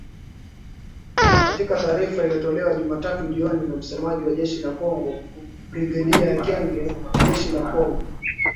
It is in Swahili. Katika taarifa iliyotolewa Jumatatu jioni na msemaji wa jeshi la kongo Brigedia Ekenge, jeshi la kongo